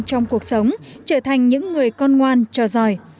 trong cuộc sống trở thành những người con ngoan trò giỏi